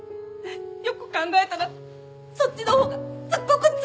よく考えたらそっちの方がすっごくつらい！